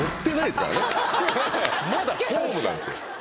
まだホームなんですよ。